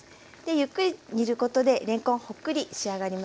ゆっくり煮ることでれんこんホックリ仕上がりますね。